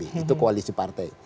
itu koalisi partai